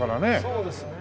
そうですね。